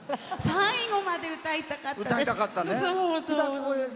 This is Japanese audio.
最後まで歌いたかったです。